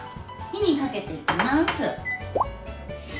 火にかけていきます。